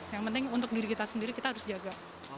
yang penting untuk diri kita sendiri kita harus jaga